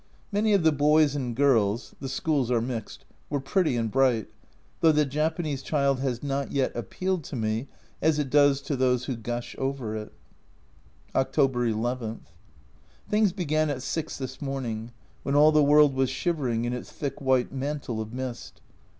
Many of the boys and girls (the schools are mixed) were pretty and bright, though the Japanese child has not yet appealed to me as it does to those who gush over it. October II. Things began at 6 this morning, when all the world was shivering in its thick white mantle of mist.